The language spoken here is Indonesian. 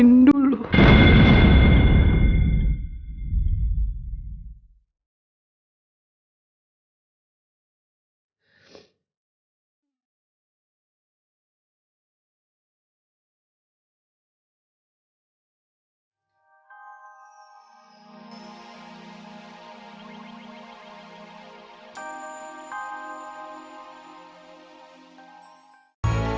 masa rasanya bisa dimaksa